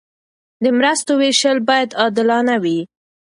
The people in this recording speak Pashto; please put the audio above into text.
د مرستو ویشل باید عادلانه وي.